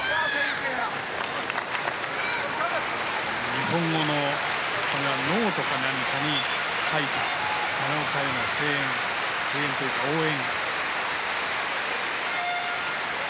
日本語のノートか何かに書いた奈良岡への声援というか応援。